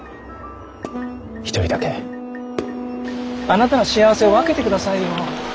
あなたの幸せを分けてくださいよ。